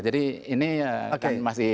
jadi ini kan masih